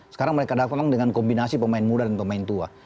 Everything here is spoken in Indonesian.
sekarang mereka datang dengan kombinasi pemain muda dan pemain tua